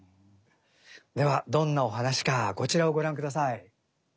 ではどんなお話かこちらをご覧ください。